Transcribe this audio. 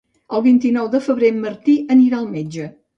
El vint-i-nou de febrer en Martí anirà al metge.